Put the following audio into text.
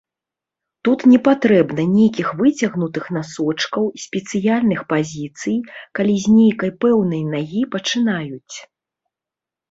Тут непатрэбна нейкіх выцягнутых насочкаў, спецыяльных пазіцый, калі з нейкай пэўнай нагі пачынаюць.